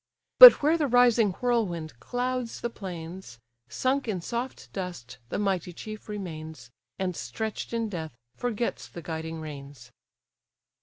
But where the rising whirlwind clouds the plains, Sunk in soft dust the mighty chief remains, And, stretch'd in death, forgets the guiding reins!